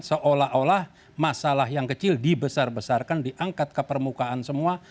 seolah olah masalah yang kecil dibesar besarkan diangkat ke permukaan semua